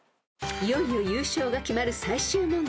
［いよいよ優勝が決まる最終問題］